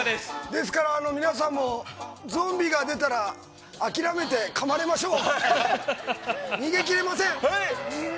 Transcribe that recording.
ですから皆さんもゾンビが出たら諦めてかまれましょう！